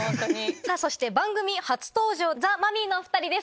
そして番組初登場ザ・マミィのお２人です。